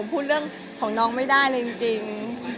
พูดเรื่องของน้องไม่ได้เลยจริง